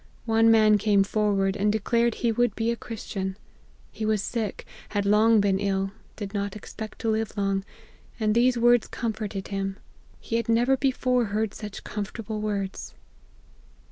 One man came forward, and declared he would be a Christian. He was sick, had long been ill, did not expect to live long, and these words comforted him. He had never before heard such comfortable words.